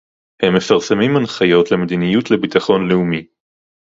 הם מפרסמים הנחיות למדיניות לביטחון לאומי